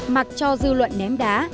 mặc cho dư luận ném đá